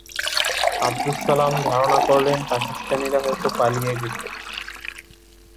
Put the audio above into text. আবদুস সালাম ধারণা করলেন, পাকিস্তানিরা হয়তো পালিয়ে গেছে।